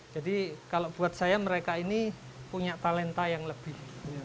jadi kalau buat saya mereka ini punya talenta yang lebih